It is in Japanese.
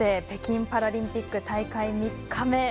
北京パラリンピック大会３日目